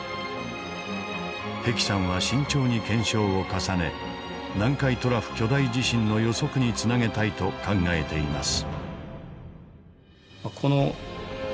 日置さんは慎重に検証を重ね南海トラフ巨大地震の予測につなげたいと考えています。